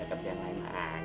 enggak ada yang lain